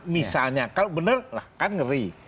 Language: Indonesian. misalnya kalau bener kan ngeri